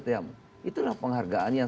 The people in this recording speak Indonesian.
diam itulah penghargaan yang